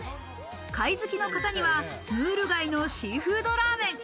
貝好きの方にはムール貝のシーフードラーメン。